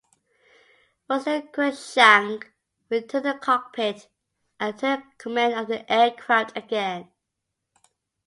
Once there Cruickshank returned to the cockpit and took command of the aircraft again.